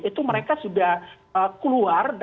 itu mereka sudah keluar